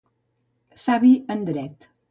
Savi en dret.